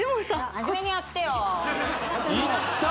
真面目にやってよイッタ！